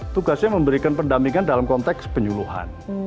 tugasnya memberikan pendampingan dalam konteks penyuluhan